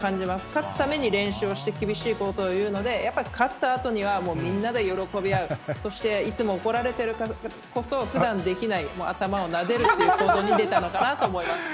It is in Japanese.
勝つために練習をして、厳しいことを言うので、やっぱ勝ったあとには、もう、みんなで喜び合う、そしていつも怒られているからこそ、ふだんできない、頭をなでるっていう行動に出たのかなと思います。